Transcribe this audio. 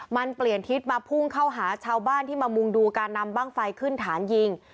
มันเปลี่ยนทิศมาพุ่งเข้าหาชาวบ้านที่มามุงดูการนำบ้างไฟขึ้นฐานยิง